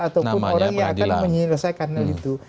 ataupun orang yang akan menyelesaikan hal itu